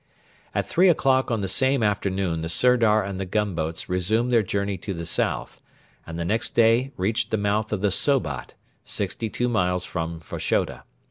At three o'clock on the same afternoon the Sirdar and the gunboats resumed their journey to the south, and the next day reached the mouth of the Sobat, sixty two miles from Fashoda.